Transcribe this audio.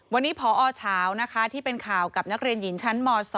วันนี้พอเช้านะคะที่เป็นข่าวกับนักเรียนหญิงชั้นม๒